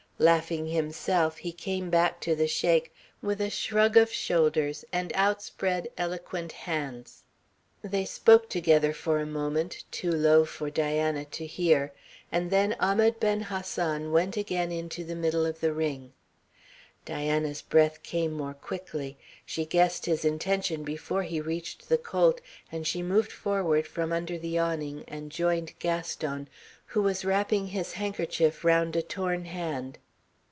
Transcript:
Laughing himself he came back to the Sheik with a shrug of the shoulders and outspread, eloquent hands. They spoke together for a moment, too low for Diana to hear, and then Ahmed Ben Hassan went again into the middle of the ring. Diana's breath came more quickly. She guessed his intention before he reached the colt, and she moved forward from under the awning and joined Gaston, who was wrapping his handkerchief round a torn hand.